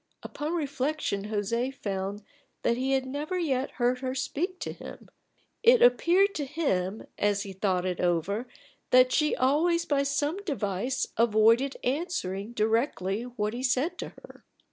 Upon reflection José found that he had never yet heard her speak to him: it appeared to him as he thought it over that she always by some device avoided answering directly what he said to her.